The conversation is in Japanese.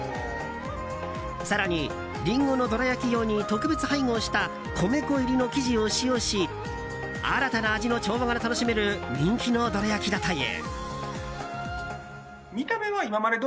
更に、リンゴのどら焼き用に特別配合した米粉入りの生地を使用し新たな味の調和が楽しめる人気のどら焼きだという。